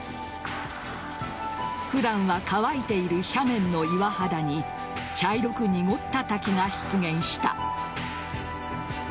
普段は乾いている斜面の岩肌に茶色く濁った滝が出現した。